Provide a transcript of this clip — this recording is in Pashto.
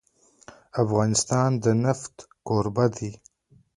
افغانستان د نفت کوربه دی.